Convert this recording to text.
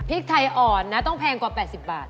พริกไทยอ่อนนะต้องแพงกว่า๘๐บาท